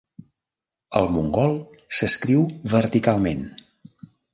El mongol s'escriu verticalment.